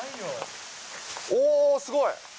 おー、すごい。